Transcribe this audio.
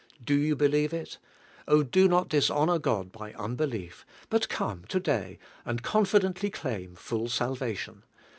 In, you believe It? Oh, do not dis honor Hod by unbelief, but come today iiml confidently claim full salvation.